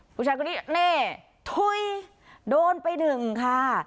ผู้ชายก็นี่โดนไปดึงค่ะ